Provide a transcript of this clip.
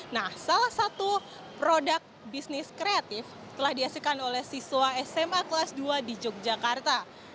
nah salah satu produk bisnis kreatif telah dihasilkan oleh siswa sma kelas dua di yogyakarta